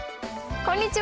こんにちは。